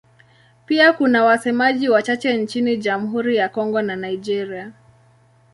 Pia kuna wasemaji wachache nchini Jamhuri ya Kongo na Nigeria.